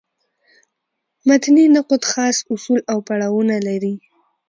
متني نقد خاص اصول او پړاوونه لري.